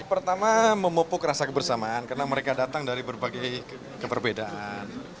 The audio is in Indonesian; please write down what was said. pertama memupuk rasa kebersamaan karena mereka datang dari berbagai keperbedaan